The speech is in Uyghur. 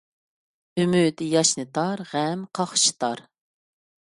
ئۈمۈد ياشنىتار، غەم قاقشىتار.